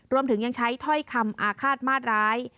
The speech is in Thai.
รวมถึงต้อยคำอาคารมาตรร้าย